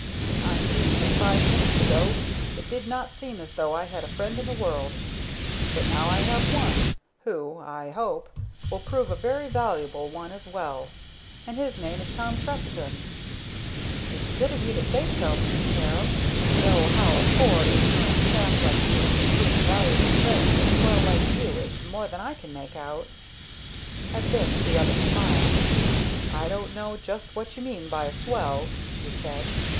"I mean that five minutes ago it did not seem as though I had a friend in the world; but now I have one, who, I hope, will prove a very valuable one as well, and his name is Tom Trefethen." "It's good of you to say so, Mr. Peril, though how a poor, ignorant chap like me can prove a valuable friend to a swell like you is more than I can make out." At this the other smiled. "I don't know just what you mean by a swell," he said.